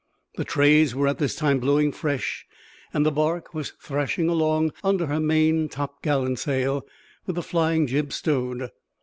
The trades were at this time blowing fresh, and the barque was thrashing along under her main topgallantsail, with the flying jib stowed.